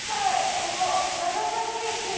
この長崎駅。